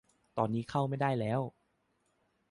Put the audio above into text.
ตอนนี้เข้าไม่ได้แล้ว